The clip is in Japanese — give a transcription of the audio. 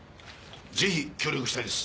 ぜひ協力したいです！